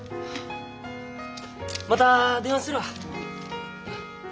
また電話するわ。